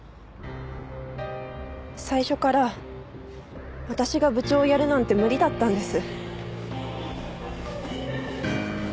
最初から私が部長をやるなんて無理だったんです。